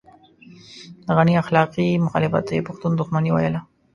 د غني اخلاقي مخالفت ته يې پښتون دښمني ويله.